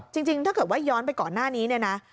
จริงถ้าเกิดว่าย้อนไปก่อนหน้านี้